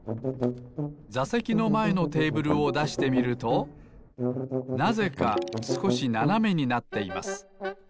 ざせきのまえのテーブルをだしてみるとなぜかすこしななめになっています。